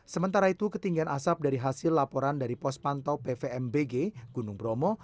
sementara itu ketinggian asap dari hasil laporan dari pos pantau pvmbg gunung bromo